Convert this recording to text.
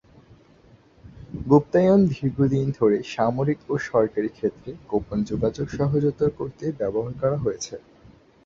গুপ্তায়ন দীর্ঘদিন ধরে সামরিক ও সরকারি ক্ষেত্রে গোপন যোগাযোগ সহজতর করতে ব্যবহার করা হয়েছে।